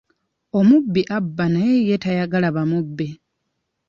Omubbi abba naye ye tayagala bamubbe.